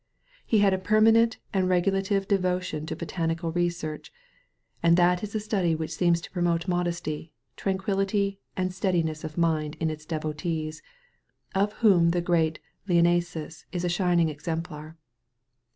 He had a permanent and regulative devotion to botanical research; and that is a study which seems to promote modesty, tranquillity, and steadiness of mind in its devotees, of whom the great Linnaeus is the shining exemplar.